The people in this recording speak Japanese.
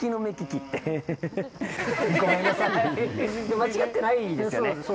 間違ってないですよね。